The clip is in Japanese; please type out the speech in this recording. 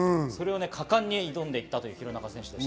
果敢に挑んでいったという廣中選手です。